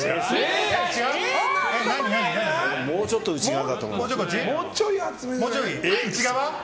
もうちょっと内側だと思う。